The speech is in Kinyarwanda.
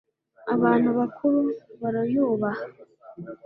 abantu bakuru baruyubaha.